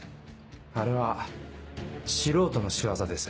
あれは素人の仕業です。